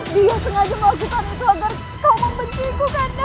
dia sengaja melakukan itu agar kau membencimu kanda